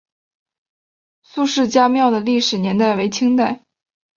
孙氏家庙的历史年代为清代。